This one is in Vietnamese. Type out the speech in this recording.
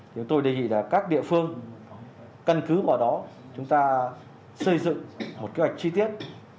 thì tôi đề nghị các địa phương cân cứ vào đó chúng ta xây dựng một kế hoạch chi tiết